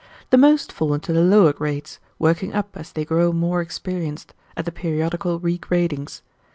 The most fall into the lower grades, working up as they grow more experienced, at the periodical regradings.